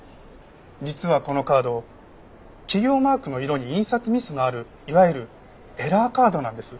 実はこのカード企業マークの色に印刷ミスのあるいわゆるエラーカードなんです。